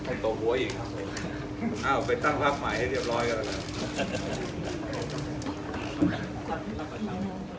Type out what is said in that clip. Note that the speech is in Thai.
เอ้าไปตั้งภาพใหม่ให้เรียบร้อยก่อนนะ